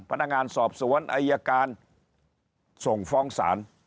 พนักงานสอบสวนอายการส่งฟ้องศาล